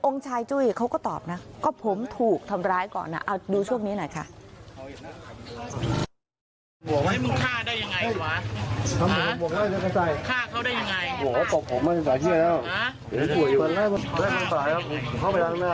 ชายจุ้ยเขาก็ตอบนะก็ผมถูกทำร้ายก่อนนะเอาดูช่วงนี้หน่อยค่ะ